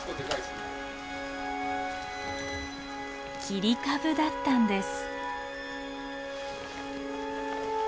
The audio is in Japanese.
切り株だったんです。